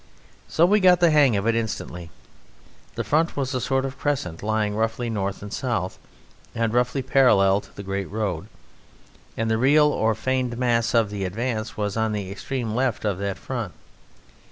So we got the hang of it instantly the front was a sort of a crescent lying roughly north and south, and roughly parallel to the great road, and the real or feigned mass of the advance was on the extreme left of that front.